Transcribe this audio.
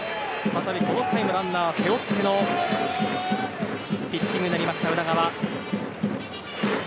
再びこの回もランナー背負ってのピッチングになりました、宇田川。